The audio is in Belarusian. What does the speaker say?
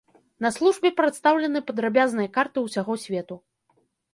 На службе прадстаўлены падрабязныя карты усяго свету.